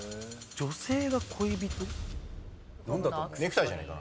女性が恋人。